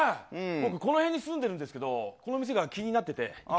僕この辺に住んでるんですけど、この店が気になってて。